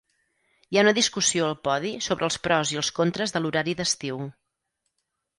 Hi ha una discussió al podi sobre els pros i els contres de l'horari d'estiu.